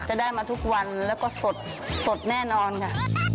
จะได้มาทุกวันแล้วก็สดสดแน่นอนค่ะ